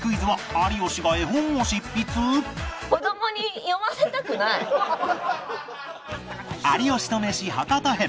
有吉とメシ博多編